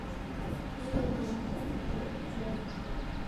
Не вельмі актыўна, але купляюць.